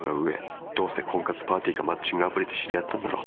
どうせ婚活パーティーかマッチングアプリで知り合ったんだろ。